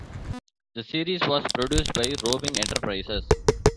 The series was produced by Roving Enterprises.